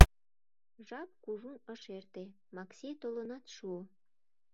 Жап кужун ыш эрте, Макси толынат шуо.